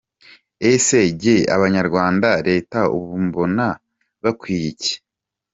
Ese jye abarwanya Leta ubu mbona bakwiye iki?